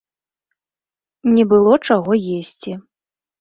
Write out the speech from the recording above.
Не было чаго есці.